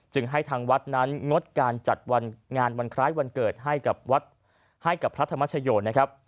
จึงให้ทางวัดนั้นงดการจัดงานวันคล้ายวันเกิดให้กับพระธรรมชโยค